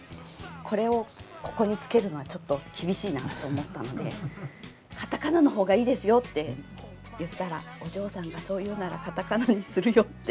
これをここに付けるのはちょっと厳しいなと思ったので「カタカナの方がいいですよ」って言ったら「お嬢さんがそう言うならカタカナにするよ」っておっしゃってて。